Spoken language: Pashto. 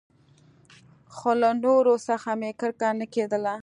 خو له نورو څخه مې کرکه نه کېدله.